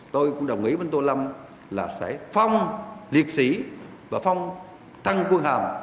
tôi cũng đồng nghĩ với tô lâm là sẽ phong liệt sĩ và phong thăng quân hàm